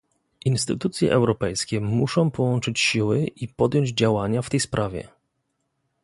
Instytucje europejskie muszą połączyć siły i podjąć działania w tej sprawie